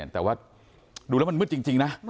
แต่ว่าดูแล้วมันมืดจริงนะ